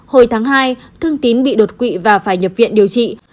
hồi tháng hai thương tín bị đột quỵ và phải nhập viện điều trị